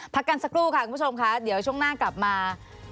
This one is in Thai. พักกันสักครู่ค่ะคุณผู้ชมค่ะเดี๋ยวช่วงหน้ากลับมา